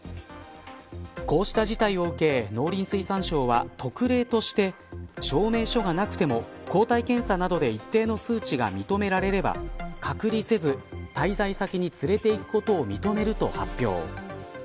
こうした事態を受け農林水産省は、特例として証明書がなくても抗体検査などで一定の数値が認められれば隔離せず、滞在先に連れて行くことを認めると発表。